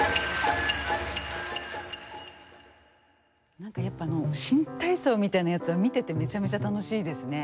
何かやっぱり新体操みたいなやつは見ててめちゃめちゃ楽しいですね。